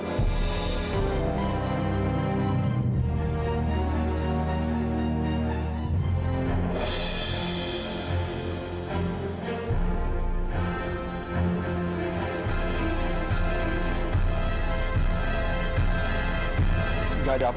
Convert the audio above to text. tidak ada masalah